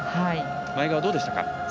前川、どうでしたか。